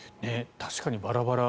確かにバラバラ。